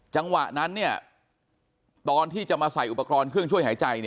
จังหวะนั้นตอนที่จะมาใส่อุปกรณ์เครื่องช่วยหายใจ